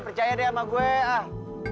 percaya deh sama gue ah